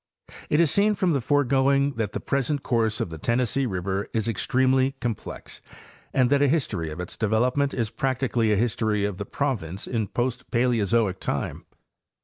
. It is seen from the foregoing that the present course of the Tennessee river is extremely complex, and that a history of its development is practically a history of the province in post Paleozoic time.